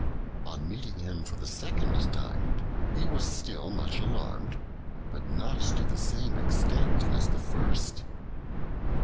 On meeting him for the second time, he was still much alarmed, but not to the same extent as at first.